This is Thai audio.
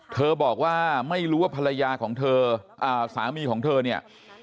บอกว่าไม่รู้ว่าภรรยาของเธอสามีของเธอเนี่ย